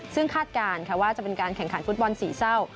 ซึ่งคาดการณ์ว่าจะเป็นการแข่งขันฟุตบอลสี่เศร้า